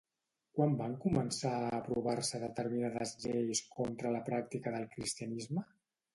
Quan van començar a aprovar-se determinades lleis contra la pràctica del cristianisme?